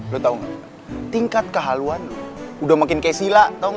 lo tau tingkat kehaluan udah makin kayak sila tau gak